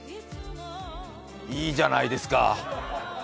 いいじゃないですか。